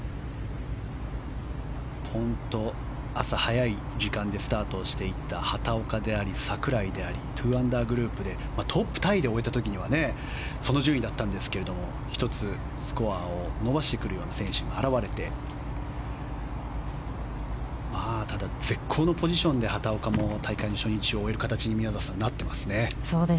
朝早い時間でスタートしていった畑岡であり、櫻井であり２アンダーグループでトップタイで終えた時にはその順位だったんですけれども１つ、スコアを伸ばしてくるような選手が現れてただ、絶好のポジションで畑岡も大会の初日を終える形に、宮里さんなっていますね。